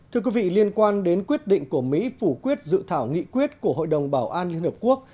thưa quý vị liên quan đến quyết định của mỹ phủ quyết dự thảo nghị quyết của hội đồng bảo an liên hợp quốc